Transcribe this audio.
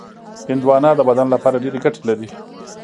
هندوانه د بدن لپاره ډېرې ګټې لري.